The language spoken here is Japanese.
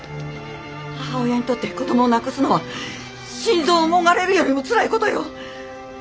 母親にとって子どもを亡くすのは心臓をもがれるよりもつらい事よ！